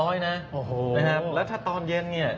โอ้โหแล้วถ้าตอนเย็นเนี่ย